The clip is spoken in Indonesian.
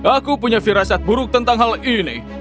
aku punya firasat buruk tentang hal ini